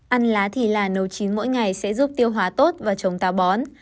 ăn lá thì là nấu chín mỗi ngày sẽ giúp tiêu hóa tốt và chống tào bón